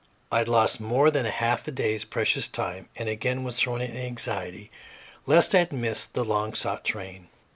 I lost more than a half day's precious time, and again was thrown into anxiety lest I had missed the long sought train.